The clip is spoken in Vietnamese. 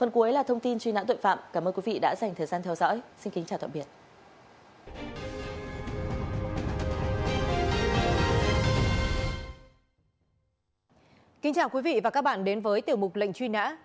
kính chào quý vị và các bạn đến với tiểu mục lệnh truy nã